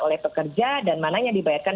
oleh pekerja dan mana yang dibayarkan